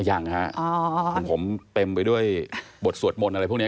ยังฮะของผมเต็มไปด้วยบทสวดมนต์อะไรพวกนี้